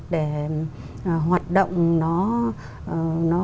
để hoạt động nó